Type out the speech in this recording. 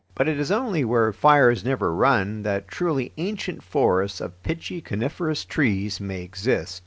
But it is only where fires never run that truly ancient forests of pitchy coniferous trees may exist.